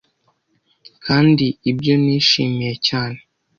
kandi ibyo nishimiye cyane